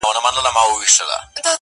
د تورو زلفو له ښامار سره مي نه لګیږي٫